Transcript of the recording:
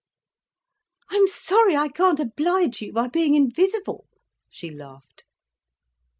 "I'm sorry I can't oblige you by being invisible," she laughed.